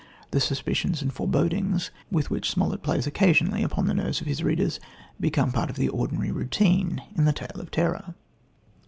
The suspicions and forebodings, with which Smollett plays occasionally upon the nerves of his readers, become part of the ordinary routine in the tale of terror.